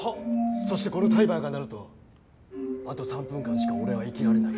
そしてこのタイマーが鳴るとあと３分間しか俺は生きられない。